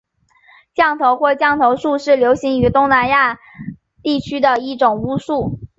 降头或降头术是流行于东南亚地区的一种巫术。